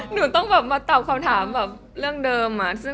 หนูต้องตอบคำถามเรื่องเดิม